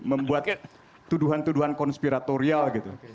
membuat tuduhan tuduhan konspiratorial gitu